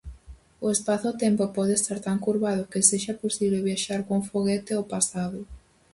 O espazo-tempo pode estar tan curvado que sexa posible viaxar cun foguete ao pasado.